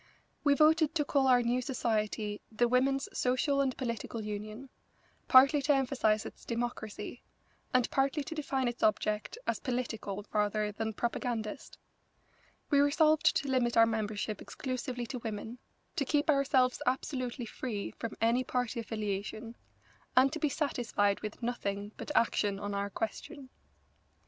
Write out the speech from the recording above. We voted to call our new society the Women's Social and Political Union, partly to emphasise its democracy, and partly to define its object as political rather than propagandist. We resolved to limit our membership exclusively to women, to keep ourselves absolutely free from any party affiliation, and to be satisfied with nothing but action on our question.